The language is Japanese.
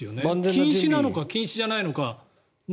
禁止なのか禁止じゃないのかな